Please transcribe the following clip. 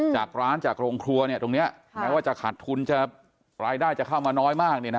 จากร้านจากโรงครัวตรงนี้แม้ว่าจะขาดทุนจะรายได้จะเข้ามาน้อยมาก